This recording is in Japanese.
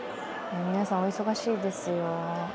皆さんお忙しいですよ。